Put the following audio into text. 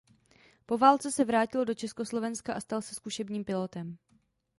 Po válce se vrátil do Československa a stal se zkušebním pilotem.